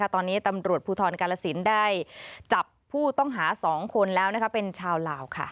ตอนนี้ตำรวจภูทรกาลสินได้จับผู้ต้องหา๒คนแล้วเป็นชาวลาว